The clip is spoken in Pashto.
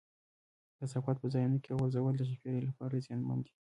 کثافات په ځایونو کې غورځول د چاپېریال لپاره زیانمن دي.